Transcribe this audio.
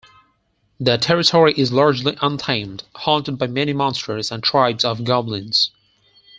The territory is largely untamed, haunted by many monsters and tribes of goblins.